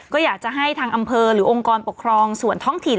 ก็อยากจะให้ทางอำเภอหรือองค์กรปกครองส่วนท้องถิ่น